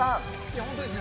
本当ですね。